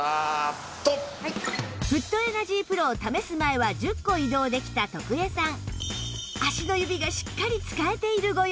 フットエナジープロを試す前は１０個移動できた徳江さん